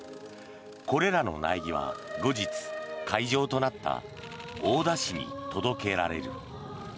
これらの苗木は後日、会場となった大田市に届けられる。